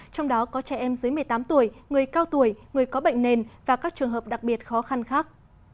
trong đó có trẻ em dưới một mươi tám tuổi người cao tuổi người có bệnh nền và các trường hợp đặc biệt khó khăn khác